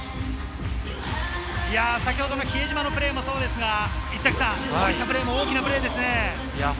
先程の比江島のプレーもですが、このプレーも大きなプレーですね。